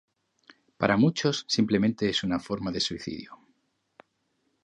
Para muchos, simplemente es una forma de suicidio.